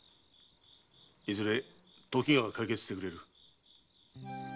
いずれ時が解決してくれる。